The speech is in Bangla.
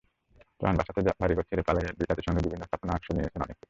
প্রাণ বাঁচাতে বাড়িঘর ছেড়ে পালিয়ে জাতিসংঘের বিভিন্ন স্থাপনায় আশ্রয় নিয়েছেন অনেকে।